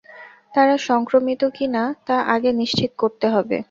তারা সংক্রমিত কি-না তা আগে নিশ্চিত করতে হবে।